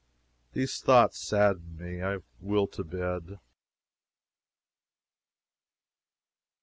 These thoughts sadden me. I will to bed.